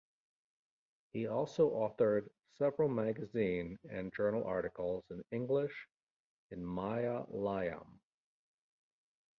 He has also authored several magazine and journal articles in English and Malayalam.